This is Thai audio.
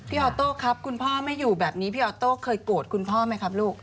ออโต้ครับคุณพ่อไม่อยู่แบบนี้พี่ออโต้เคยโกรธคุณพ่อไหมครับลูก